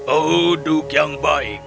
oh duk yang baik